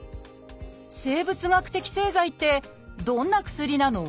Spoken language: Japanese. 「生物学的製剤」ってどんな薬なの？